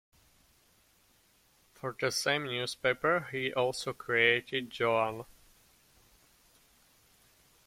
For the same newspaper, he also created "Johan".